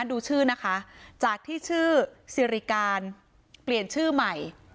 ดูชื่อนะคะจากที่ชื่อสิริการเปลี่ยนชื่อใหม่